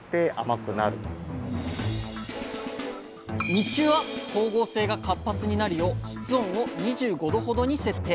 日中は光合成が活発になるよう室温を２５℃ほどに設定。